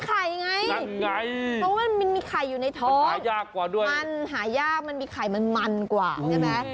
เพราะว่ามีไข่ไงมันหายากมันมันมันกว่าใช่ไหม